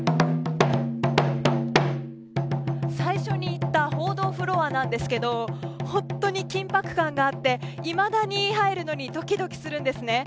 最初に行った報道フロアなんですけど本当に緊迫感があっていまだに入るのにドキドキするんですね。